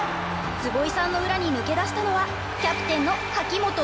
坪井さんの裏に抜け出したのはキャプテンの柿本倫明さん。